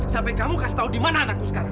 sampai kamu kasih tau dimana anakku sekarang